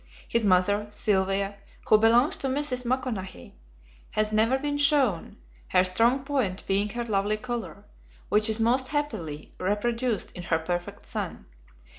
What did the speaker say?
His mother, Sylvia, who belongs to Mrs. Maconochie, has never been shown, her strong point being her lovely color, which is most happily reproduced in her perfect son.